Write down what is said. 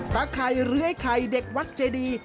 ตักไข่หรือไอ้ไข่เด็กวัดเจดี